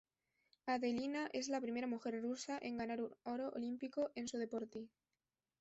Adelina es la primera mujer rusa en ganar un oro olímpico en su deporte.